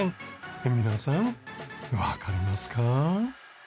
皆さんわかりますか？